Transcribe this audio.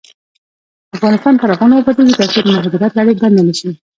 افغانستان تر هغو نه ابادیږي، ترڅو د مهاجرت لړۍ بنده نشي.